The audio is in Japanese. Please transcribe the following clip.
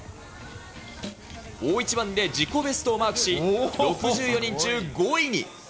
大一番で自己ベストをマークし、６４人中５位に。